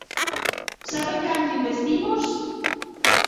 ¿Saben canto investimos?